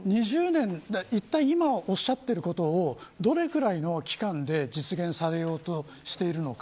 今おっしゃっていることをどれだけの期間で実現されようとしているのか